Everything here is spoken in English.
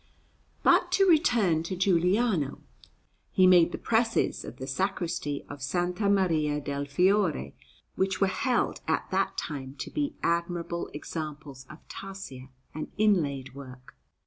But to return to Giuliano; he made the presses of the Sacristy of S. Maria del Fiore, which were held at that time to be admirable examples of tarsia and inlaid work.